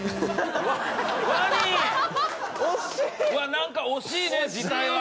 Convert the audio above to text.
なんか惜しいね字体は。